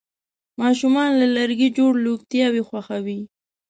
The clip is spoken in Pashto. ماشومان له لرګي جوړ لوبتیاوې خوښوي.